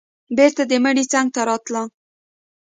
بېرته د مړي څنگ ته راتله.